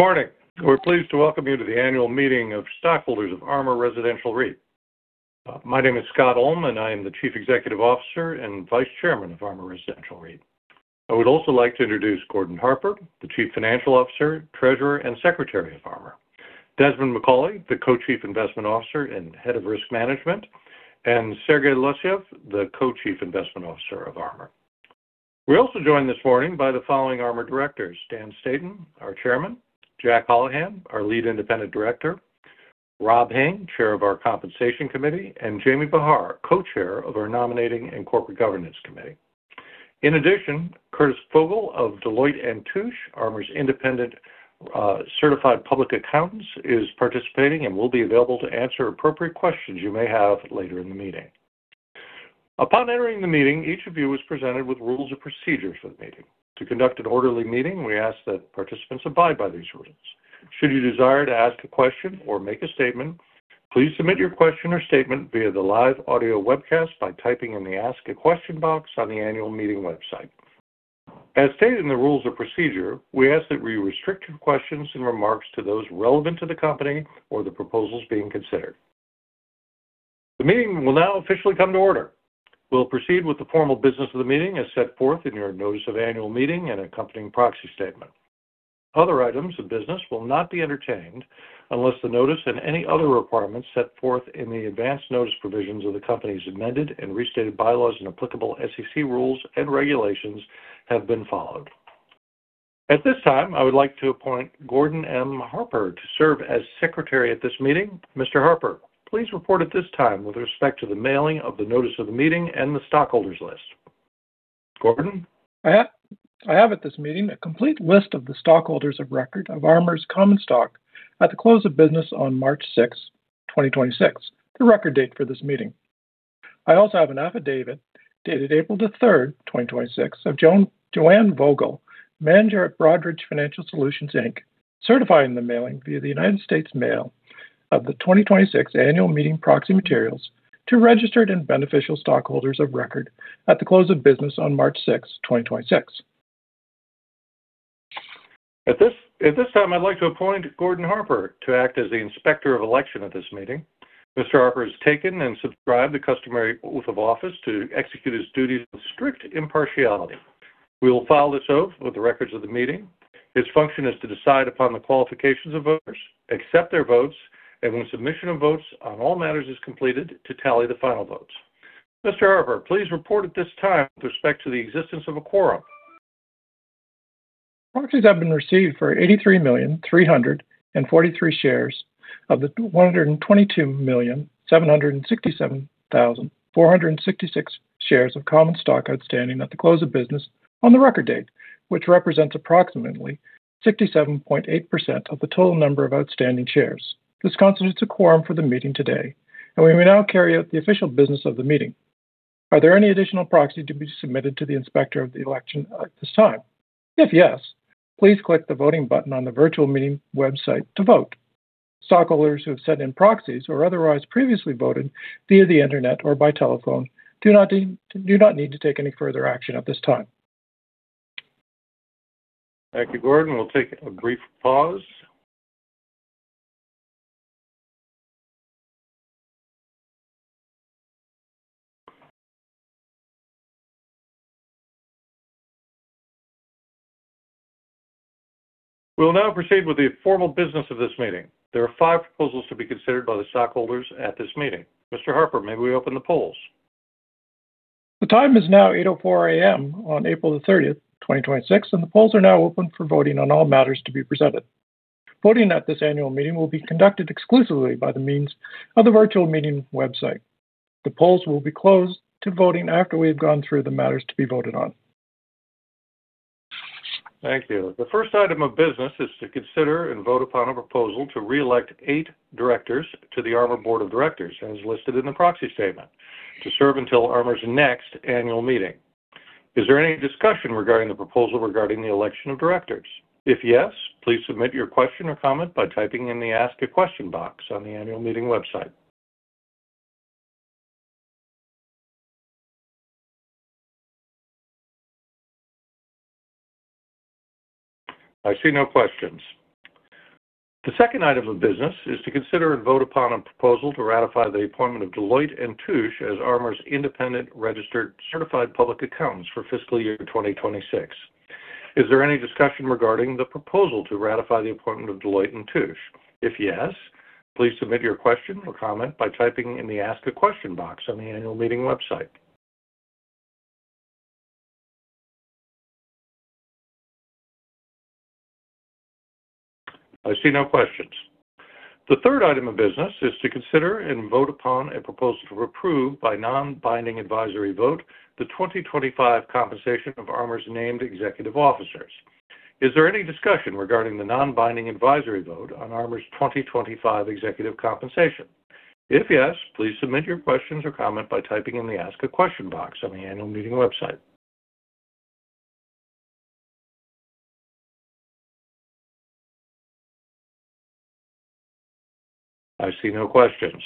Good morning. We're pleased to welcome you to the annual meeting of stockholders of ARMOUR Residential REIT. My name is Scott Ulm, and I am the Chief Executive Officer and Vice Chairman of ARMOUR Residential REIT. I would also like to introduce Gordon Harper, the Chief Financial Officer, Treasurer, and Secretary of ARMOUR. Desmond E. Macauley, the Co-Chief Investment Officer and Head of Risk Management, and Sergey Losyev, the Co-Chief Investment Officer of ARMOUR. We're also joined this morning by the following ARMOUR Directors: Dan Staton, our Chairman; Jack Holohan, our Lead Independent Director; Rob Hain, Chair of our Compensation Committee; and Jamie Behar, Co-Chair of our Nominating and Corporate Governance Committee. In addition, Curtis Vogel of Deloitte & Touche, ARMOUR's independent certified public accountants, is participating and will be available to answer appropriate questions you may have later in the meeting. Upon entering the meeting, each of you was presented with rules and procedures for the meeting. To conduct an orderly meeting, we ask that participants abide by these rules. Should you desire to ask a question or make a statement, please submit your question or statement via the live audio webcast by typing in the Ask a Question box on the annual meeting website. As stated in the rules of procedure, we ask that we restrict your questions and remarks to those relevant to the company or the proposals being considered. The meeting will now officially come to order. We'll proceed with the formal business of the meeting as set forth in your notice of annual meeting and accompanying proxy statement. Other items of business will not be entertained unless the notice and any other requirements set forth in the advance notice provisions of the company's amended and restated bylaws and applicable SEC rules and regulations have been followed. At this time, I would like to appoint Gordon M. Harper to serve as Secretary at this meeting. Mr. Harper, please report at this time with respect to the mailing of the notice of the meeting and the stockholders list. Gordon? I have at this meeting a complete list of the stockholders of record of ARMOUR's common stock at the close of business on March 6, 2026, the record date for this meeting. I also have an affidavit dated April 3, 2026, of Joanne Vogel, Manager at Broadridge Financial Solutions, Inc., certifying the mailing via the United States Mail of the 2026 annual meeting proxy materials to registered and beneficial stockholders of record at the close of business on March 6, 2026. At this time, I'd like to appoint Gordon Harper to act as the Inspector of Election at this meeting. Mr. Harper has taken and subscribed the customary oath of office to execute his duties with strict impartiality. We will file this oath with the records of the meeting. His function is to decide upon the qualifications of voters, accept their votes, and when submission of votes on all matters is completed, to tally the final votes. Mr. Harper, please report at this time with respect to the existence of a quorum. Proxies have been received for 83,343,000 shares of the 122,767,466 shares of common stock outstanding at the close of business on the record date, which represents approximately 67.8% of the total number of outstanding shares. This constitutes a quorum for the meeting today, and we may now carry out the official business of the meeting. Are there any additional proxies to be submitted to the Inspector of Election at this time? If yes, please click the voting button on the virtual meeting website to vote. Stockholders who have sent in proxies or otherwise previously voted via the Internet or by telephone do not need to take any further action at this time. Thank you, Gordon. We'll take a brief pause. We'll now proceed with the formal business of this meeting. There are five proposals to be considered by the stockholders at this meeting. Mr. Harper, may we open the polls? The time is now 8:00 A.M. on April 30th, 2026. The polls are now open for voting on all matters to be presented. Voting at this annual meeting will be conducted exclusively by the means of the virtual meeting website. The polls will be closed to voting after we have gone through the matters to be voted on. Thank you. The first item of business is to consider and vote upon a proposal to reelect eight directors to the ARMOUR Board of Directors, as listed in the proxy statement, to serve until ARMOUR's next annual meeting. Is there any discussion regarding the proposal regarding the election of directors? If yes, please submit your question or comment by typing in the Ask a Question box on the annual meeting website. I see no questions. The second item of business is to consider and vote upon a proposal to ratify the appointment of Deloitte & Touche as ARMOUR's independent registered certified public accountants for fiscal year 2026. Is there any discussion regarding the proposal to ratify the appointment of Deloitte & Touche? If yes, please submit your question or comment by typing in the Ask a Question box on the annual meeting website. I see no questions. The third item of business is to consider and vote upon a proposal to approve by non-binding advisory vote the 2025 compensation of ARMOUR's named executive officers. Is there any discussion regarding the non-binding advisory vote on ARMOUR's 2025 executive compensation? If yes, please submit your questions or comment by typing in the Ask a Question box on the annual meeting website. I see no questions.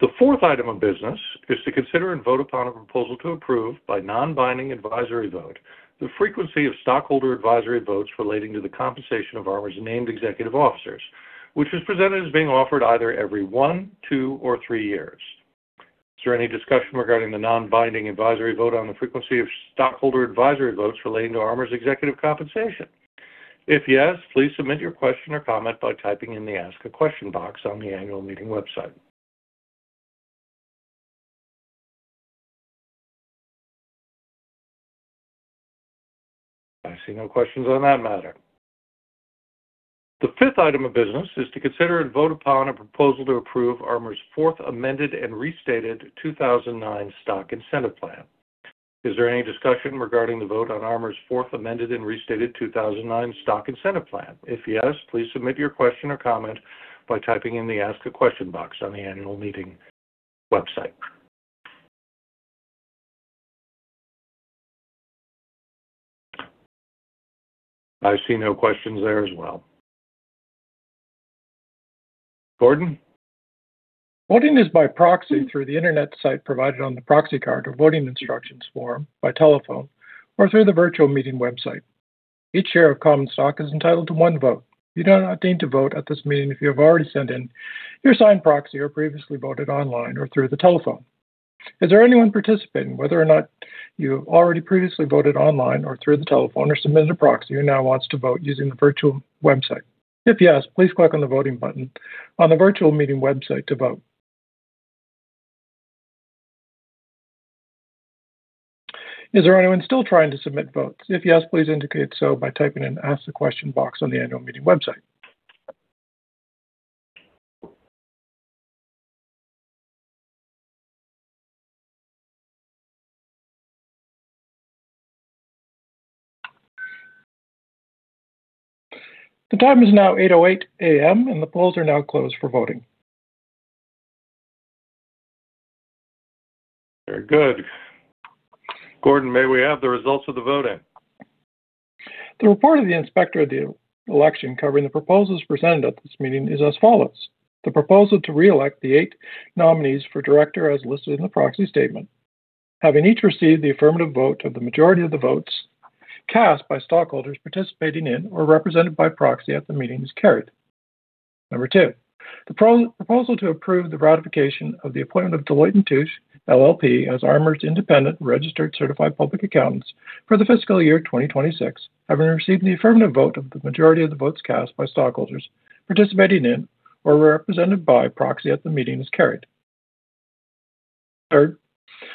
The fourth item of business is to consider and vote upon a proposal to approve by non-binding advisory vote the frequency of stockholder advisory votes relating to the compensation of ARMOUR's named executive officers, which is presented as being offered either every one, two, or three years. Is there any discussion regarding the non-binding advisory vote on the frequency of stockholder advisory votes relating to ARMOUR's executive compensation? If yes, please submit your question or comment by typing in the Ask a Question box on the annual meeting website. I see no questions on that matter. The fifth item of business is to consider and vote upon a proposal to approve ARMOUR's Fourth Amended and Restated 2009 Stock Incentive Plan. Is there any discussion regarding the vote on ARMOUR's Fourth Amended and Restated 2009 Stock Incentive Plan? If yes, please submit your question or comment by typing in the Ask a Question box on the annual meeting website. I see no questions there as well. Gordon? Voting is by proxy through the internet site provided on the proxy card or voting instructions form, by telephone, or through the virtual meeting website. Each share of common stock is entitled to one vote. You do not need to vote at this meeting if you have already sent in your signed proxy or previously voted online or through the telephone. Is there anyone participating, whether or not you have already previously voted online or through the telephone or submitted a proxy and now wants to vote using the virtual website? If yes, please click on the voting button on the virtual meeting website to vote. Is there anyone still trying to submit votes? If yes, please indicate so by typing in Ask the Question box on the annual meeting website. The time is now 8:00 A.M., and the polls are now closed for voting. Very good. Gordon, may we have the results of the voting? The report of the Inspector of Election covering the proposals presented at this meeting is as follows: The proposal to reelect the 8 nominees for director as listed in the proxy statement, having each received the affirmative vote of the majority of the votes cast by stockholders participating in or represented by proxy at the meeting is carried. Number two, the proposal to approve the ratification of the appointment of Deloitte & Touche LLP as ARMOUR's independent registered certified public accountants for the fiscal year 2026, having received the affirmative vote of the majority of the votes cast by stockholders participating in or represented by proxy at the meeting is carried. Third,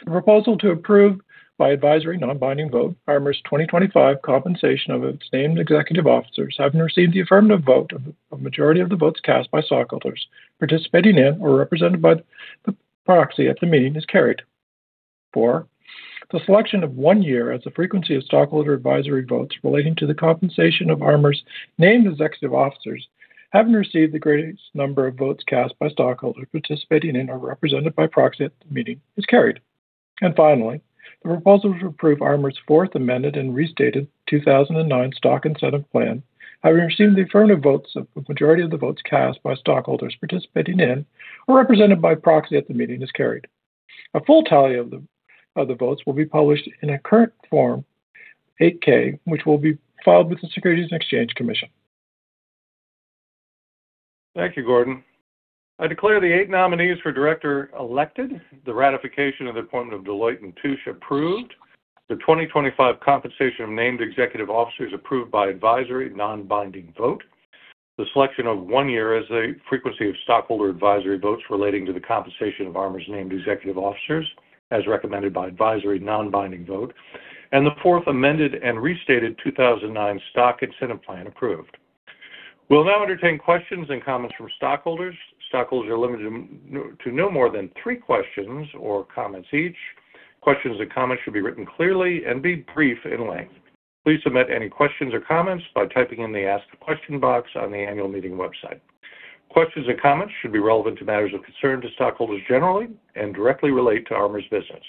the proposal to approve by advisory non-binding vote ARMOUR's 2025 compensation of its named executive officers, having received the affirmative vote of a majority of the votes cast by stockholders participating in or represented by the proxy at the meeting is carried. Four, the selection of one year as the frequency of stockholder advisory votes relating to the compensation of ARMOUR's named executive officers, having received the greatest number of votes cast by stockholders participating in or represented by proxy at the meeting is carried. Finally, the proposal to approve ARMOUR's Fourth Amended and Restated 2009 Stock Incentive Plan, having received the affirmative votes of a majority of the votes cast by stockholders participating in or represented by proxy at the meeting is carried. A full tally of the votes will be published in a current Form 8-K, which will be filed with the Securities and Exchange Commission. Thank you, Gordon. I declare the 8 nominees for director elected, the ratification of the appointment of Deloitte & Touche approved, the 2025 compensation of named executive officers approved by advisory non-binding vote, the selection of one year as a frequency of stockholder advisory votes relating to the compensation of ARMOUR's named executive officers, as recommended by advisory non-binding vote, and the Fourth Amended and Restated 2009 Stock Incentive Plan approved. We'll now entertain questions and comments from stockholders. Stockholders are limited to no more than 3 questions or comments each. Questions and comments should be written clearly and be brief in length. Please submit any questions or comments by typing in the Ask a Question box on the annual meeting website. Questions and comments should be relevant to matters of concern to stockholders generally and directly relate to ARMOUR's business.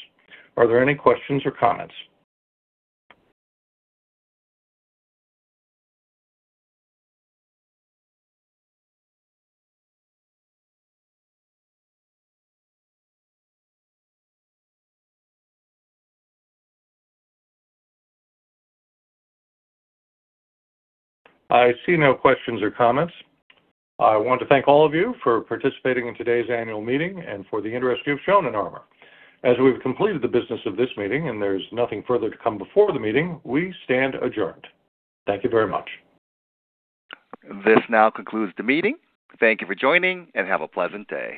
Are there any questions or comments? I see no questions or comments. I want to thank all of you for participating in today's annual meeting and for the interest you've shown in ARMOUR. As we've completed the business of this meeting, and there's nothing further to come before the meeting, we stand adjourned. Thank you very much. This now concludes the meeting. Thank you for joining, and have a pleasant day.